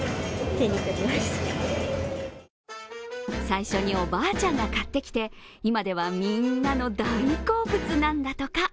最初におばあちゃんが買ってきて今ではみんなの大好物なんだとか。